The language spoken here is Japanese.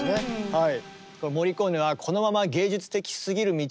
はい。